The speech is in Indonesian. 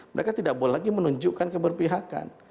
mereka tidak boleh lagi menunjukkan keberpihakan